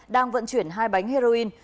đang vận chuyển hai bánh heroin